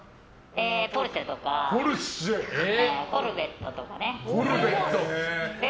ポルシェとかコルベットとかね。